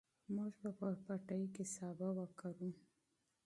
موږ به په پټي کې سابه وکرو.